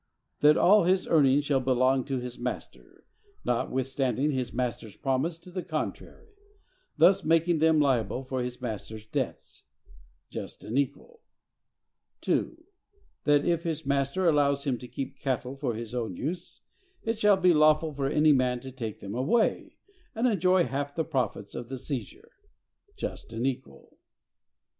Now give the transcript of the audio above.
That all his earnings shall belong to his master, notwithstanding his master's promise to the contrary; thus making them liable for his master's debts.—Just and equal! 2. That if his master allow him to keep cattle for his own use, it shall be lawful for any man to take them away, and enjoy half the profits of the seizure.—Just and equal!